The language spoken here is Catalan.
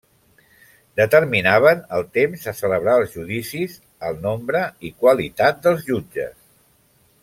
Determinaven el temps a celebrar els judicis, el nombre i qualitats dels jutges.